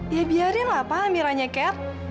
ya biarin lah pak amira nyeker